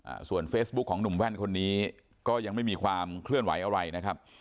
อ่าส่วนเฟซบุ๊คของหนุ่มแว่นคนนี้ก็ยังไม่มีความเคลื่อนไหวอะไรนะครับ